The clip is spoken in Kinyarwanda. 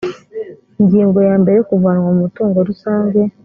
ingingo ya mbere kuvanwa mu mutungo rusange